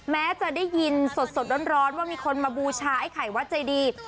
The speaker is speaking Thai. แม้จะได้ยินสดร้อนว่ามีคนมาบูชาไอ้ไข่วัดใจดี